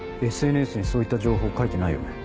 ＳＮＳにそういった情報書いてないよね？